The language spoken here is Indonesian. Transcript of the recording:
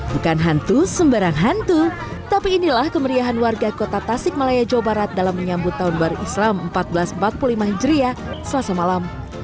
bukan hantu sembarang hantu tapi inilah kemeriahan warga kota tasik malaya jawa barat dalam menyambut tahun baru islam seribu empat ratus empat puluh lima hijriah selasa malam